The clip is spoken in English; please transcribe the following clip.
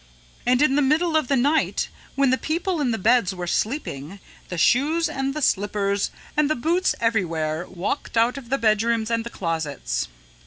"And in the middle of the night, when the people in the beds were sleeping, the shoes and the slippers and the boots everywhere walked out of the bedrooms and the closets.